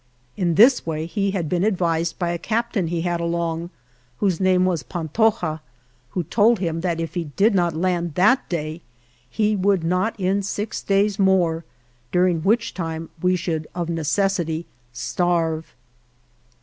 In this he had been advised by a captain he had along, whose name was Pantoja, who told him that if he did not land that day he would not in six days more, during which time we would of necessity starve.